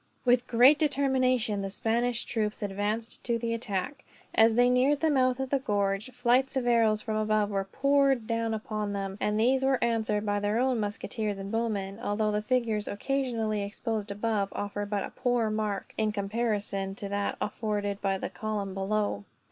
With great determination, the Spanish troops advanced to the attack. As they neared the mouth of the gorge, flights of arrows from above were poured down upon them; and these were answered by their own musketeers and bowmen, although the figures occasionally exposed above offered but a poor mark, in comparison to that afforded by the column below.